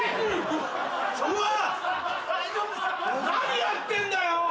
何やってんだよ！